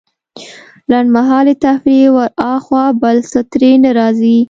لنډمهالې تفريح وراخوا بل څه ترې نه راځي.